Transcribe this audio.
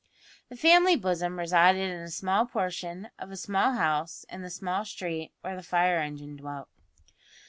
The family bosom resided in a small portion of a small house in the small street where the fire engine dwelt.